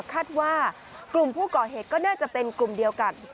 คาดว่ากลุ่มผู้ก่อเหตุก็น่าจะเป็นกลุ่มเดียวกัน